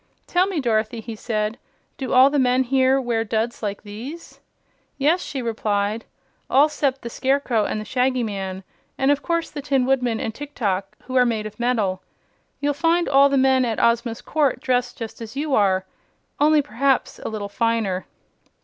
"Tell me, Dorothy," he said; "do all the men here wear duds like these?" "Yes," she replied; "all 'cept the Scarecrow and the Shaggy Man and of course the Tin Woodman and Tiktok, who are made of metal. You'll find all the men at Ozma's court dressed just as you are only perhaps a little finer."